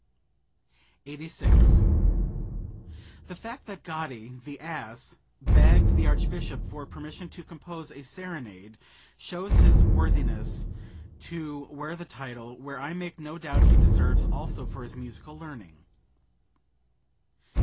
86. "The fact that Gatti, the ass, begged the Archbishop for permission to compose a serenade shows his worthiness to wear the title, which I make no doubt he deserves also for his musical learning."